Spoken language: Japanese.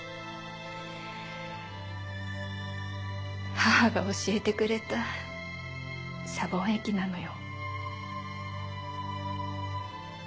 母が教えてくれたシャボン液なのよ。